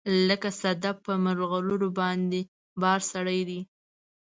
لکه صدف په مرغلروباندې بار سړی دی